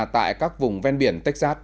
tại các vùng ven biển texas